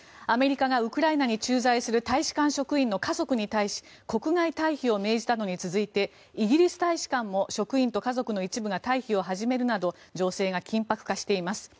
アメリカがウクライナに駐在する大使館職員の家族に対し国外退避を命じたのに続いてイギリス大使館も職員と家族の一部が退避を始めるなど情勢が緊迫化しています。